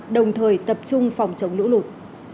đồng thời tập trung phòng chống lũ lụt